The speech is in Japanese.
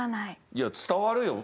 いや伝わるよ。